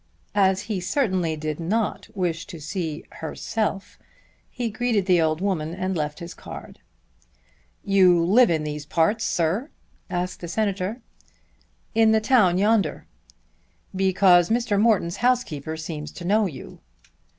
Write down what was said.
As he certainly did not wish to see "herself," he greeted the old woman and left his card. "You live in these parts, sir?" asked the Senator. "In the town yonder." "Because Mr. Morton's housekeeper seems to know you."